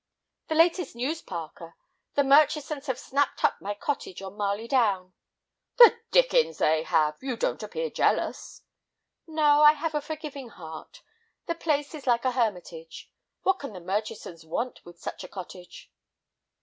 "The latest news, Parker—the Murchisons have snapped up my cottage on Marley Down." "The dickens they have! You don't appear jealous." "No, I have a forgiving heart. The place is like a hermitage. What can the Murchisons want with such a cottage?"